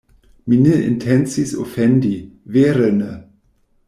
“Mi ne intencis ofendi, vere ne!”